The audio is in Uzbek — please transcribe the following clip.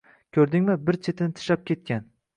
Ko‘rdingmi, bir chetini tishlab ketgan.